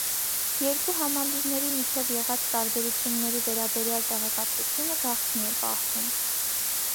Երկու համալիրների միջև եղած տարբերությունների վերաբերյալ տեղեկատվությունը գաղտնի է պահվում։